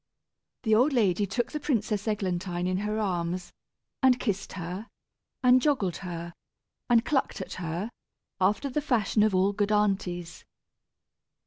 The old lady took the Princess Eglantine in her arms, and kissed her, and joggled her, and clucked at her, after the fashion of all good aunties.